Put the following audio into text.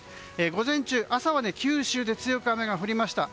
午前中、朝は九州で強く雨が降りました。